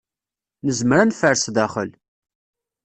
Nezmer ad neffer sdaxel.